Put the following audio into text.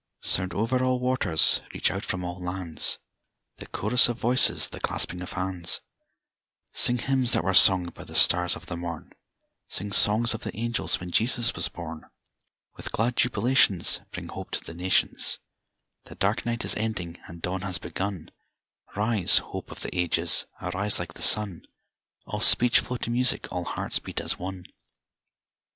Sound over all waters, reach out from all lands, The chorus of voices, the clasping of hands; Sing hymns that were sung by the stars of the morn, Sing songs of the angels when Jesus was born! With glad jubilations Bring hope to the nations The dark night is ending and dawn has begun Rise, hope of the ages, arise like the sun, All speech flow to music, all hearts beat as one! II.